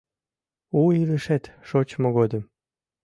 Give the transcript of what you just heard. У илышет шочмо годым